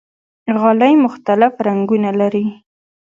غالۍ مختلف رنګونه لري.